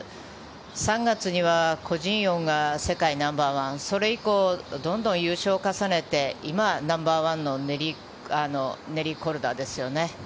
３月にはコ・ジンヨンが世界ナンバーワンそれ以降、どんどん優勝を重ねて今ナンバーワンのネリー・コルダですよね。